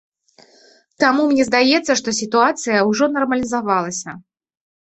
Таму мне здаецца, што сітуацыя ўжо нармалізавалася.